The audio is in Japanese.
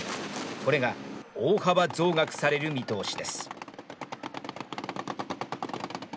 これが大幅増額される見通しです